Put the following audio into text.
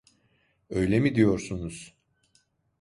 Öyle mi diyorsunuz?